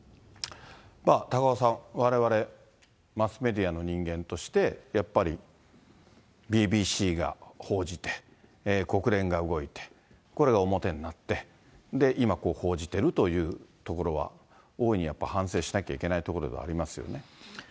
高岡さん、われわれマスメディアの人間として、やっぱりＢＢＣが報じて、国連が動いて、これが表になって、今こう報じてるというところは、大いにやっぱり反省しなきゃいけないところではありますよね。